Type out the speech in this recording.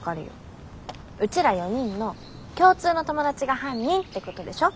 うちら４人の共通の友達が犯人ってことでしょ。